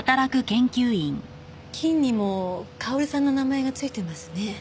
菌にも薫さんの名前が付いてますね。